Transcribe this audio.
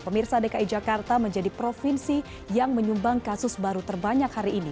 pemirsa dki jakarta menjadi provinsi yang menyumbang kasus baru terbanyak hari ini